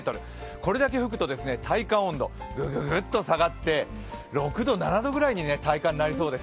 これだけ吹くと体感温度、グググッと下がって６度、７度ぐらいに体感、なりそうです。